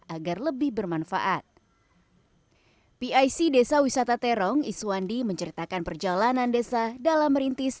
agar lebih bermanfaat pic desa wisata terong iswandi menceritakan perjalanan desa dalam merintis